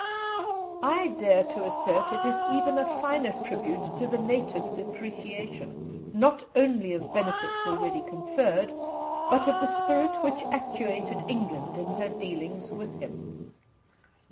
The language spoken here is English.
I dare to assert it is even a finer tribute to the natives' appreciation, not only of benefits already conferred, but of the spirit that actuated England in her dealings with him.